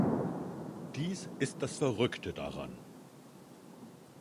Dies ist das Verrückte daran.